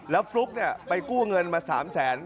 แล้วฟลุ๊กไปกู้เงินมา๓แสน